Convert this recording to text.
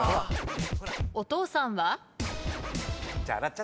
お父さんは？あっ！